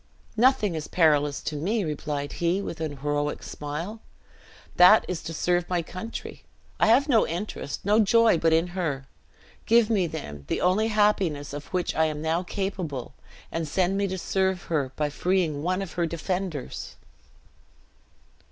"Nothing is perilous to me," replied he, with an heroic smile, "that is to serve my country. I have no interest, no joy but in her. Give me, then, the only happiness of which I am now capable, and send me to serve her, by freeing one of her defenders!"